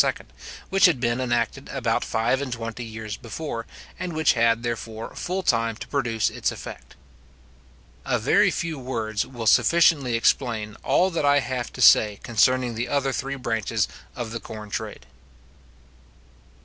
which had been enacted about five and twenty years before, and which had, therefore, full time to produce its effect. A very few words will sufficiently explain all that I have to say concerning the other three branches of the corn trade.